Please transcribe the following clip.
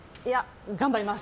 頑張ります。